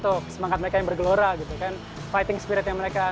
atlet atlet kita itu semangat mereka yang bergelora gitu kan fighting spirit yang mereka